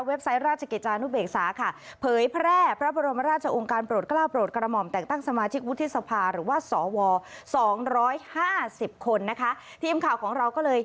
เว็บไซต์รจกหนุ่บเอกสาข่าเผยแพร่พระบรมรรจองการ